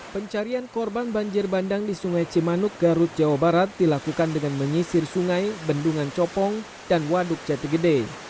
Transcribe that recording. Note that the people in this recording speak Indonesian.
pencarian korban banjir bandang di sungai cimanuk garut jawa barat dilakukan dengan menyisir sungai bendungan copong dan waduk jati gede